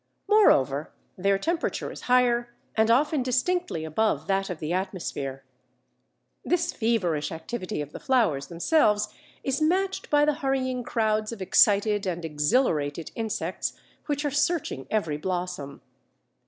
Moreover their temperature is higher, and often distinctly above that of the atmosphere. This feverish activity of the flowers themselves is matched by the hurrying crowds of excited and exhilarated insects which are searching every blossom.